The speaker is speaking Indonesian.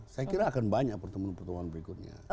saya kira akan banyak pertemuan pertemuan berikutnya